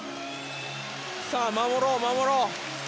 さあ、守ろう守ろう。